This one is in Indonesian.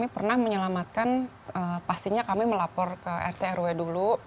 kami pernah menyelamatkan pastinya kami melapor ke rt rw dulu